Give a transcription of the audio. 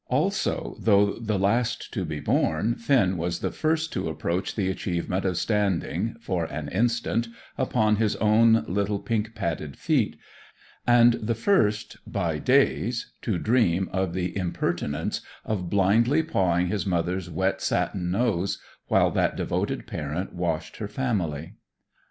Also, though the last to be born, Finn was the first to approach the achievement of standing, for an instant, upon his own little pink padded feet, and the first, by days, to dream of the impertinence of blindly pawing his mother's wet satin nose, while that devoted parent washed her family.